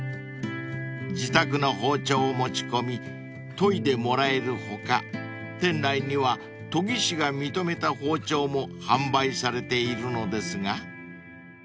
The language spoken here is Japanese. ［自宅の包丁を持ち込み研いでもらえる他店内には研ぎ師が認めた包丁も販売されているのですが］